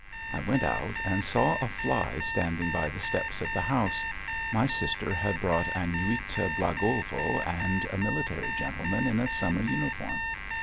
I went out and saw a fly standing by the steps of the house. My sister had brought Aniuta Blagovo and a military gentleman in a summer uniform.